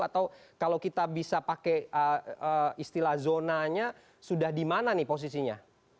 atau kalau kita bisa pakai istilah zonanya sudah di mana nih posisinya